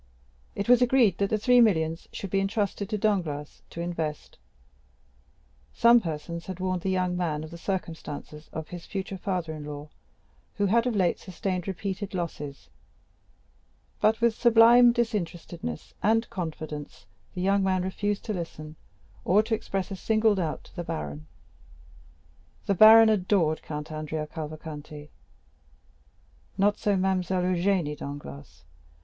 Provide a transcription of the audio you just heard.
It was agreed that the three millions should be intrusted to Danglars to invest; some persons had warned the young man of the circumstances of his future father in law, who had of late sustained repeated losses; but with sublime disinterestedness and confidence the young man refused to listen, or to express a single doubt to the baron. The baron adored Count Andrea Cavalcanti; not so Mademoiselle Eugénie Danglars.